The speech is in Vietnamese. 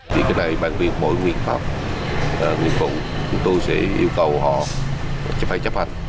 vì cái này bản quyền mỗi nguyên pháp nguyên vụ chúng tôi sẽ yêu cầu họ phải chấp hành